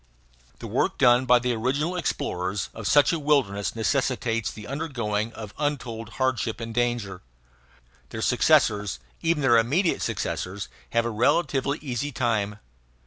The work done by the original explorers of such a wilderness necessitates the undergoing of untold hardship and danger. Their successors, even their immediate successors, have a relatively easy time.